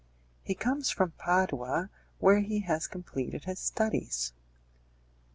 "He comes from Padua, where he has completed his studies."